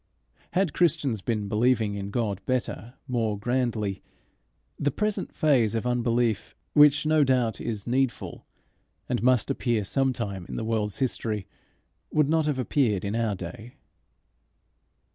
Had Christians been believing in God better, more grandly, the present phase of unbelief, which no doubt is needful, and must appear some time in the world's history, would not have appeared in our day.